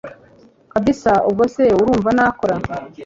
kabsa ubwo se urumva nakora